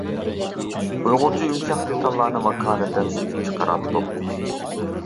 ئۇيغۇرچە يۇمشاق دېتاللارنى ۋاكالىتەن سېتىپ چىقىراتتۇق.